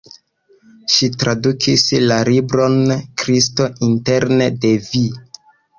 Ŝi tradukis la libron "Kristo interne de vi".